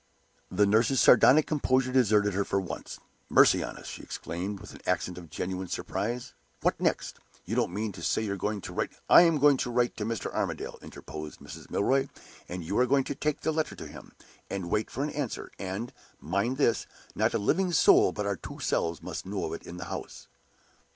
The nurse's sardonic composure deserted her for once. "Mercy on us!" she exclaimed, with an accent of genuine surprise. "What next? You don't mean to say you're going to write ?" "I am going to write to Mr. Armadale," interposed Mrs. Milroy; "and you are going to take the letter to him, and wait for an answer; and, mind this, not a living soul but our two selves must know of it in the house."